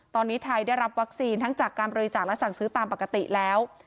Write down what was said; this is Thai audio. ตอนนี้ไทยได้รับวัคซีนทั้งจากการบริจาคและสั่งซื้อตามปกติแล้ว